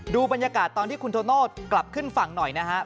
ดูบรรยากาศตอนที่คุณโทโน่กลับขึ้นฝั่งหน่อยนะครับ